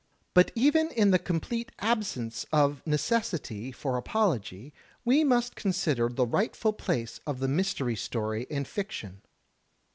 But even in the complete absence of necessity for apology, we must consider the rightful place of the Mystery Story in fiction.